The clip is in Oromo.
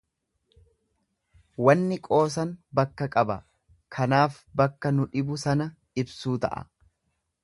Waanni qoosan bakka qaba, kanaaf bakka nu dhibu sana ibsuu ta'a.